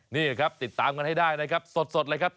นี่ครับติดตามกันให้ได้นะครับสดเลยครับ